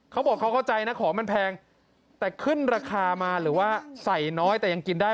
เขาบอกเขาเข้าใจนะของมันแพงแต่ขึ้นราคามาหรือว่าใส่น้อยแต่ยังกินได้